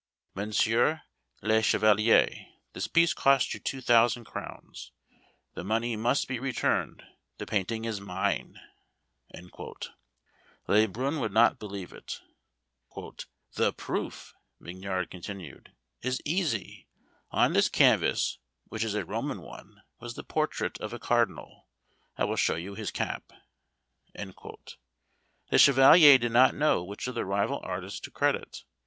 Monsieur le Chevalier, this piece cost you two thousand crowns: the money must be returned, the painting is mine." Le Brun would not believe it. "The proof," Mignard continued, "is easy. On this canvas, which is a Roman one, was the portrait of a cardinal; I will show you his cap." The chevalier did not know which of the rival artists to credit.